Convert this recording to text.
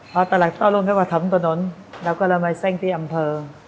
พอตะหลักต้อรุ่นเข้ามาทำตนนแล้วก็เรามาเซ่งที่อำเภอ